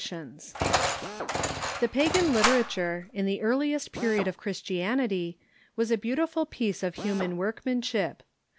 ] The pagan literature, in the earliest period of Christianity, was a beautiful piece of human workmanship.